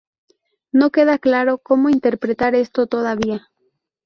No queda claro cómo interpretar esto todavía.